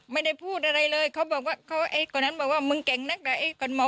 ไม่ได้พูดอะไรเลยเขาบอกว่าไอ้ก่อนนั้นบอกว่ามึงแก่งนักไหล